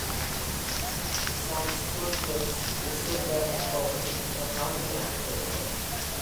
Sandstone hills physiographic பகுதியில் இந்த county அமைந்துள்ளது.